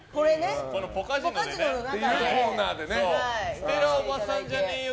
ステラおばさんじゃねーよ